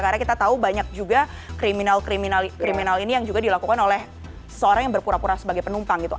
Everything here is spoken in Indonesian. karena kita tahu banyak juga kriminal kriminal ini yang juga dilakukan oleh seseorang yang berpura pura sebagai penumpang gitu